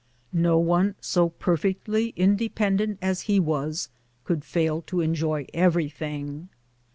No one so perfectly independent as he was could fail to enjoy everything.